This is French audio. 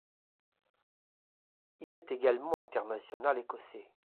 Il est également international écossais.